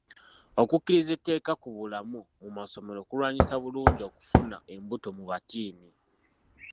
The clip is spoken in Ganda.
Okukkiriza etteeka ku bulamu mu masomero kulwanyisa bulungi okufuna embuto mu batiini.